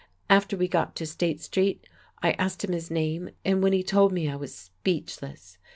After we got to State Street, I asked him his name, and when he told me I was speechless.